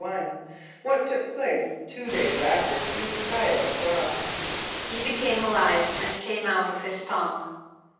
=1.= What took place two days after J[=e]´[s+]us died on the cross? =He became alive and came out of his tomb.